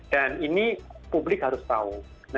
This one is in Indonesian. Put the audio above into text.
dan ini publik harus tahu